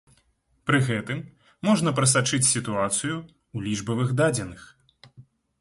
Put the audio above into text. Пры гэтым можна прасачыць сітуацыю ў лічбавых дадзеных.